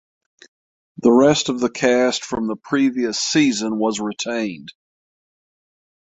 The rest of the cast from the previous season was retained.